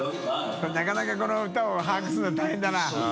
これなかなかこの歌を把握するの大変だな。）